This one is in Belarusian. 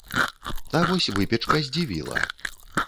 А вось выпечка здзівіла.